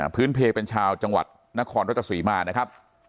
พื้นเพลเป็นชาวจังหวัดนครรัชศรีมานะครับ